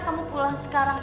kamu pulang sekarang